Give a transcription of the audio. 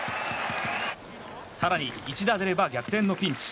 更に、一打出れば逆転のピンチ。